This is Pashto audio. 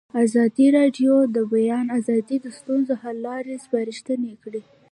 ازادي راډیو د د بیان آزادي د ستونزو حل لارې سپارښتنې کړي.